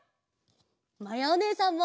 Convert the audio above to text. まやおねえさんも！